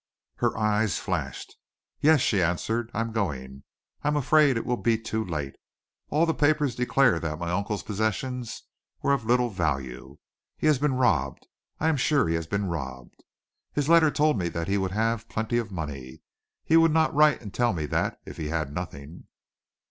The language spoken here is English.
Her eyes flashed. "Yes!" she answered. "I am going. I am afraid it will be too late. All the papers declare that my uncle's possessions were of little value. He has been robbed. I am sure he has been robbed. His letter told me that he would have plenty of money. He would not write and tell me that if he had nothing."